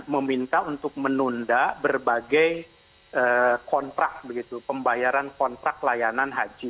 meminta untuk menunda berbagai kontrak begitu pembayaran kontrak layanan haji